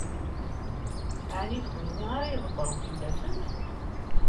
Ɛni d kenwi ara ydebbṛen fell-asent?